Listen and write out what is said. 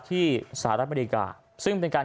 สหรัฐอเมริกาซึ่งเป็นการ